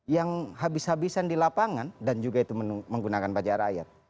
yang habis habisan di lapangan dan juga itu menggunakan pajak rakyat